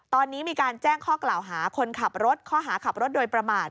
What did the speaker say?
ตอนนี้มีการแจ้งข้อกล่าวหาคนขับรถข้อหาขับรถโดยประมาท